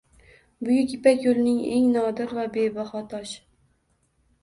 Buyuk Ipak yo‘lining eng nodir va bebaho toshi.